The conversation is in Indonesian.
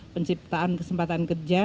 penciptaan kesempatan kerja